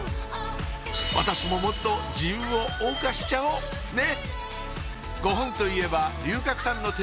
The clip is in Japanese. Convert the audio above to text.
私ももっと自由を謳歌しちゃおうねっ！